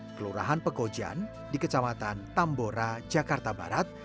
kelurahan pekojan di kecamatan tambora jakarta barat